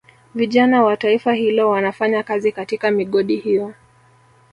Vijana wa taifa hilo wanafanya kazi katika migodi hiyo